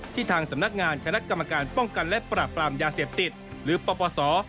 ทางสำนักงานคณะกรรมการป้องกันและปราบปรามยาเสพติดหรือปปศ